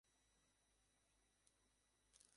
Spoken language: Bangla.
এই পদার্থটি কেবল ক্রোমোজোমে বিদ্যমান ছিল।